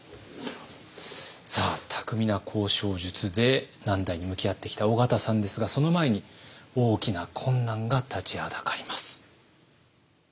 さあ巧みな交渉術で難題に向き合ってきた緒方さんですがその前に大きな困難が立ちはだかります。